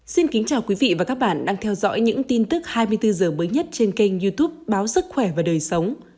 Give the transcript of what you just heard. xin kính chào quý vị và các bạn đang theo dõi những tin tức hai mươi bốn h mới nhất trên kênh youtube báo sức khỏe và đời sống